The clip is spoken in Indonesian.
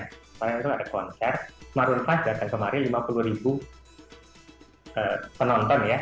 kemarin itu ada konser kemarin lima puluh penonton ya